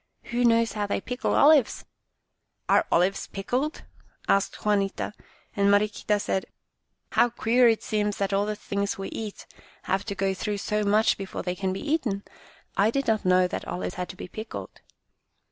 Who knows how they pickle olives ?"" Are olives pickled ?" asked Juanita, and Mariquita said :" How queer it seems that all the things we eat have to go through so much before they can be eaten. I did not know that olives had to be pickled."